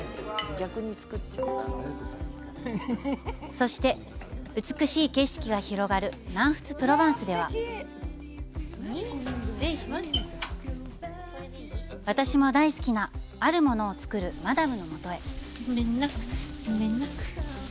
そして、美しい景色が広がる南仏プロヴァンスでは私も大好きなあるものを作るマダムのもとへ。